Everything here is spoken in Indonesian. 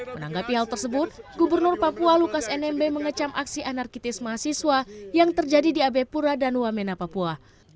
menanggapi hal tersebut gubernur papua lukas nmb mengecam aksi anarkitis mahasiswa yang terjadi di abe pura dan wamena papua